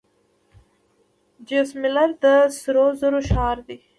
جیسلمیر د سرو زرو ښار دی.